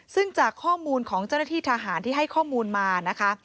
ซึ่งจากข้อมูลของเจ้าหน้าที่ทหารที่ให้ข้อมูลมานะคะ